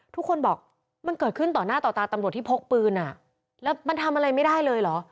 ทุกคนบอกมันเกิดขึ้นต่อหน้าต่อตาตำรวจที่พกปืนอ่ะแล้วมันทำอะไรไม่ได้เลยเหรอ